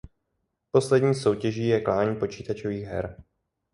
Poslední soutěží je klání počítačových her.